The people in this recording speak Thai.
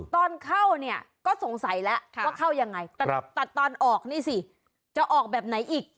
ตอนเข้าเนี่ยก็สงสัยแล้วว่าเข้ายังไงตัดตอนออกนี่สิจะออกแบบไหนอีก